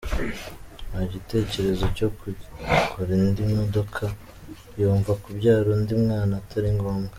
Nta gitekerezo cyo kugura indi modoka ; yumva kubyara undi mwana atari ngombwa.